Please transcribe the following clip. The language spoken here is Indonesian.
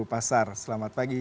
pasar selamat pagi